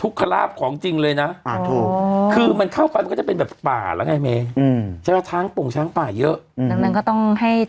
ทุกขลาบของจริงเลยนะอ๋อใช่